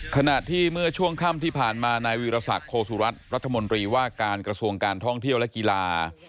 ขณะที่เมื่อช่วงค่ำที่ผ่านมานายวีรศักดิ์โคสุรัตน์รัฐมนตรีว่าการกระทรวงการท่องเที่ยวและกีฬา